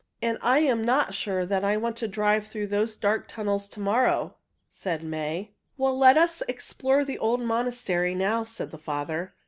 "And I'm not sure that I want to drive through those dark tunnels to morrow," said May. "Well, let us explore the old monastery now," said their father.